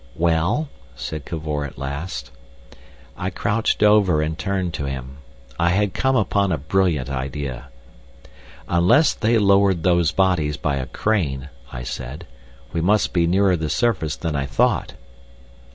"Well?" said Cavor at last. I crouched over and turned to him. I had come upon a brilliant idea. "Unless they lowered those bodies by a crane," I said, "we must be nearer the surface than I thought."